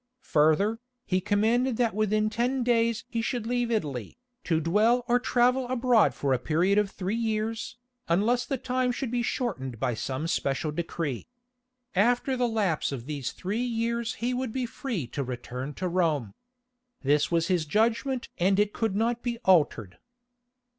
Further, he commanded that within ten days he should leave Italy, to dwell or travel abroad for a period of three years, unless the time should be shortened by some special decree. After the lapse of these three years he would be free to return to Rome. This was his judgment and it could not be altered.